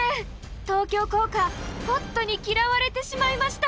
東京工科ポットに嫌われてしまいました。